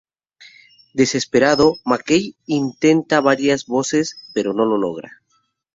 Desesperado, McKay intenta varias voces, pero no lo logra.